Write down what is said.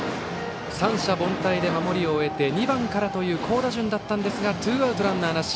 三者凡退で守りを終えて２番からという好打順だったんですがツーアウト、ランナーなし。